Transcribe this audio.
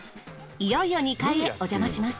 いよいよ２階へおじゃまします。